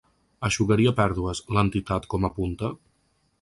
Eixugaria pèrdues, l’entitat, com apunta?